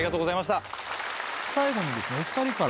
最後にですねお２人から。